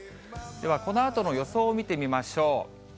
ではこのあとの予想を見てみましょう。